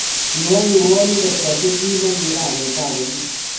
kiwo kirwakindet ko ser kito ne kiyaaka eng' kapolis